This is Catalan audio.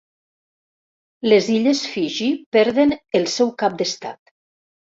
Les illes Fiji perden el seu cap d'estat.